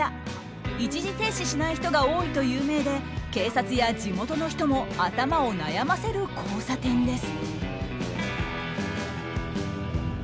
一時停止しない人が多いと有名で警察や地元の人も頭を悩ませる交差点です。